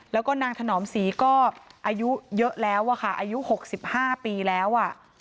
แล้วก็นางถนอมศรีก็อายุเยอะแล้วอะค่ะอายุ๖๕ปีแล้ว